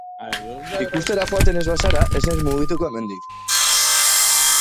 Ikustera joaten ez bazara ez naiz mugituko hemendik.